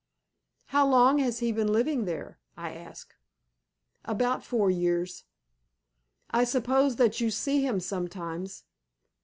"How long has he been living there?" I asked. "About four years." "I suppose that you see him sometimes?"